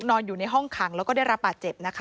นอนอยู่ในห้องขังแล้วก็ได้รับบาดเจ็บนะคะ